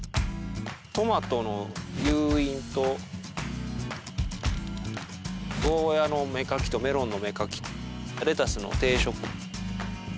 トマトの誘引とゴーヤの芽かきとメロンの芽かきレタスの定植。